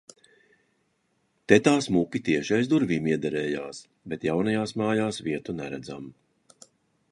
Te tā smuki tieši aiz durvīm iederējās, bet jaunajās mājas vietu neredzam...